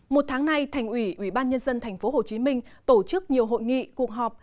một tháng nay thành ủy ủy ban nhân dân tp hcm tổ chức nhiều hội nghị cuộc họp